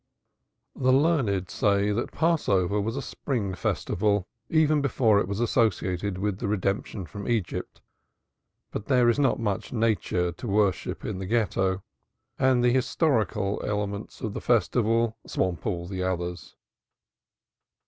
The learned say that Passover was a Spring festival even before it was associated with the Redemption from Egypt, but there is not much Nature to worship in the Ghetto and the historical elements of the Festival swamp all the others.